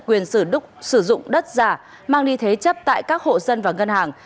quyền sử dụng đất già mang đi thế chấp tại các hộ dân và ngân hàng